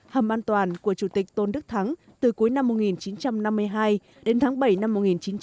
hầm an toàn của chủ tịch tôn đức thắng từ cuối năm một nghìn chín trăm năm mươi hai đến tháng bảy năm một nghìn chín trăm bảy mươi